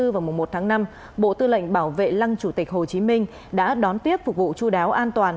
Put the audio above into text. vào mùa một tháng năm bộ tư lệnh bảo vệ lăng chủ tịch hồ chí minh đã đón tiếp phục vụ chú đáo an toàn